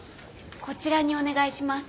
こちらにお願いします。